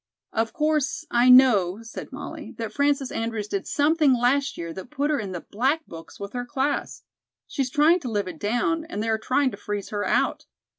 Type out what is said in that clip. "Of course, I know," said Molly, "that Frances Andrews did something last year that put her in the black books with her class. She's trying to live it down, and they are trying to freeze her out.